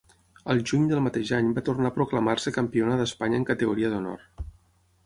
Al juny del mateix any va tornar a proclamar-se campiona d'Espanya en categoria d'honor.